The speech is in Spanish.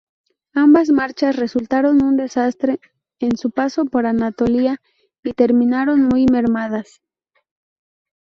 Ambas marchas resultaron un desastre en su paso por Anatolia y terminaron muy mermadas.